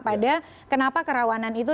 pada kenapa kerawanan itu